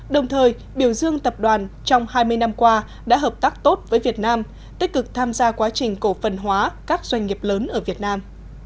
đồng thời biểu dương tập đoàn trong hai mươi năm qua đã hợp tác tốt với việt nam tích cực tham gia quá trình cổ phần hóa các doanh nghiệp lớn ở việt nam